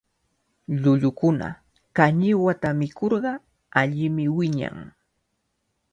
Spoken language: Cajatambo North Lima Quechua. Llullukuna kañiwata mikurqa allimi wiñan.